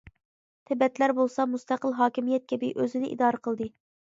تىبەتلەر بولسا، مۇستەقىل ھاكىمىيەت كەبى ئۆزىنى ئىدارە قىلدى.